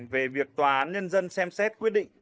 về việc tòa án nhân dân xem xét quyết định